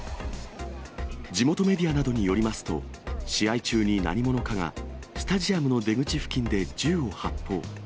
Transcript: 地元メディアなどによりますと、試合中に何者かがスタジアムの出口付近で銃を発砲。